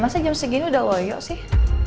masa jam segini udah loyo sih